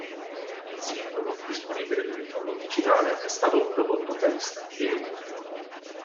Il singolo, disponibile per il download digitale, è stato prodotto dagli Stargate.